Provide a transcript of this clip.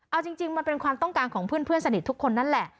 เอาจริงมันเป็นความต้องการของเพื่อนสนิททุกคนนั่นแหละ